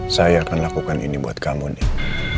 saya akan lakukan ini buat kamu nih